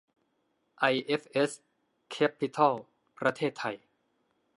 ไอเอฟเอส แคปปิตอล ประเทศไทย